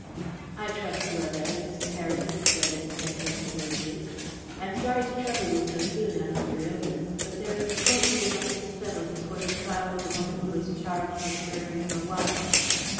"I trust you are better, Mr. Heredith," said the detective smoothly. "I am sorry to trouble you so soon after your illness, but there is a point we would like to settle before the trial of the woman who is charged with murdering your wife.